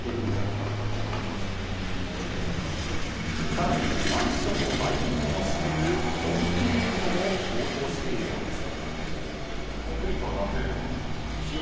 更にマンションの大部分を占めるコンクリートも高騰しているようです。